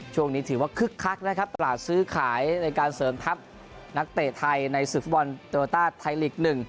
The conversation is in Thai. ถือว่าคึกคักนะครับตลาดซื้อขายในการเสริมทัพนักเตะไทยในศึกฟุตบอลโตโลต้าไทยลีก๑